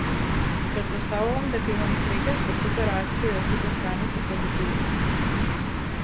Претпоставувам дека имам среќа што сите реакции од сите страни се позитивни.